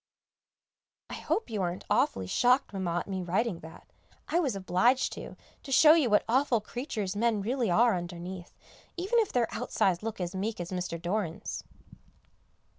I hope you aren't awfully shocked, Mamma, at me writing that; I was obliged to, to show you what awful creatures men really are underneath, even if their outsides look as meek as Mr. Doran's.